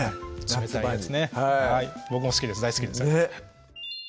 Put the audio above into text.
夏場に僕も好きです大好きですねっ